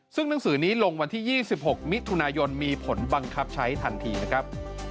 ซึ่งหนังสือนี้ลงวันที่๒๖มิถุนายนมีผลบังคับใช้ทันทีนะครับ